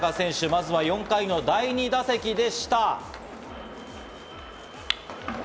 まずは４回の第２打席でした。